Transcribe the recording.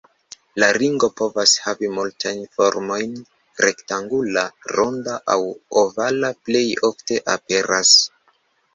La ringo povas havi multajn formojn, rektangula, ronda aŭ ovala plej ofte aperas.